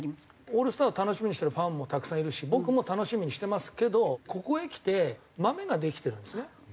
オールスターを楽しみにしてるファンもたくさんいるし僕も楽しみにしてますけどここへきてマメができてるんですね